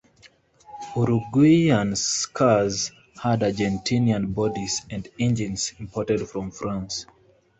Uruguayan cars had Argentinian bodies and engines imported from France.